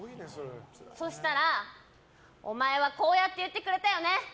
そうしたら、お前はこうやって言ってくれたよね。